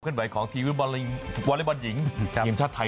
ก็ขึ้นไว้ของทีมวาเลวัลย์มันหญิงทีมชาติไทย